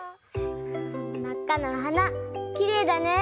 まっかなおはなきれいだね。